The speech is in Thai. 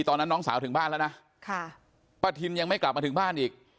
น้องสาวถึงบ้านแล้วนะป้าทินยังไม่กลับมาถึงบ้านอีก